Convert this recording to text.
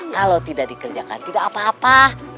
kalau tidak dikerjakan tidak apa apa